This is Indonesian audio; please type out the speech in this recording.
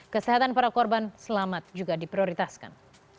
kesehatan para korban selamat juga diprioritaskan